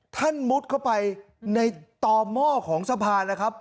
มุดเข้าไปในต่อหม้อของสะพานนะครับ